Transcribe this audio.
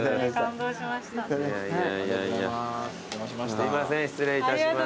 すいません失礼いたします。